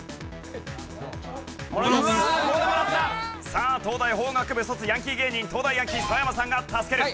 さあ東大法学部卒ヤンキー芸人東大ヤンキー澤山さんが助ける。